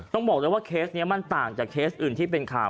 ต้องบอกเลยว่าเคสนี้มันต่างจากเคสอื่นที่เป็นข่าว